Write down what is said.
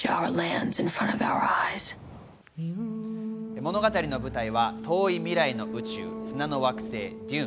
物語の舞台は、遠い未来の宇宙、砂の惑星デューン。